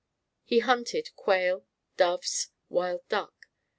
He hunted: quail, doves, wild duck.